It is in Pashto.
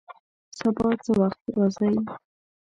سبا څه وخت راځئ؟